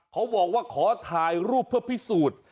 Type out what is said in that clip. เขาบอกว่าขอถ่ายรูปเพื่อพิสูจน์